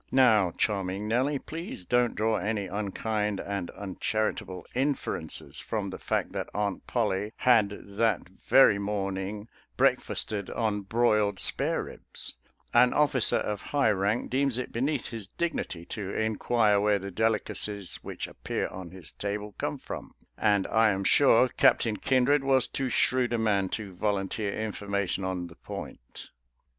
Now, Charming Nellie, please don't draw any unkind and uncharitable inferences from the fact that Aunt Pollie had that very morning break 162 SOLDIER'S LETTERS TO CHARMING NELLIE fasted on broiled spareribs — an officer of high rank deems it beneath his dignity to inquire where the delicacies which appear on his table come from, and I am sure Captain Kindred was too shrewd a man to volunteer information on the point.